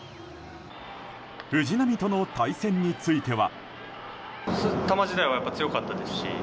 藤浪との対戦については。